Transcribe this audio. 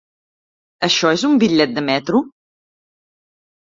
Això és un bitllet de metro?